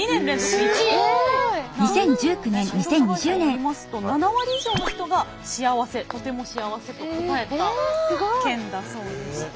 調査会社によりますと７割以上の人が「幸せ」「とても幸せ」と答えた県だそうでして。